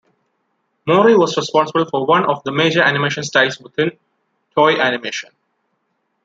Mori was responsible for one of the major animation styles within Toei Animation.